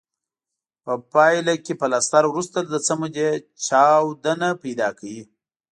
په پایله کې پلستر وروسته له څه مودې چاود نه پیدا کوي.